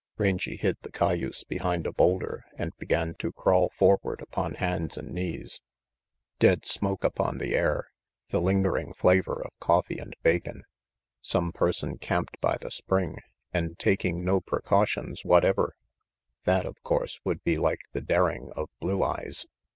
Rangy hid the cayuse behind a boulder and began to crawl forward upon hands and knees. Dead smoke upon the air. The lingering flavor of coffee and bacon. Some person camped by the spring, and taking no precautions whatever! That, of course, would be like the daring of Blue Eyes.